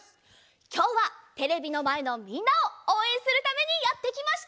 きょうはテレビのまえのみんなをおうえんするためにやってきました！